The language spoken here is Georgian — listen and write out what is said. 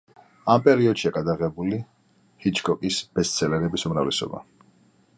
ამ პერიოდშია გადაღებული ჰიჩკოკის ბესტსელერების უმრავლესობა.